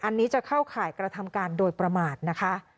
อันนี้จะเข้าข่ายกระทำการโดยประมาทนะคะ